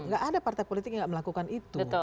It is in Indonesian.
gak ada partai politik yang gak melakukan itu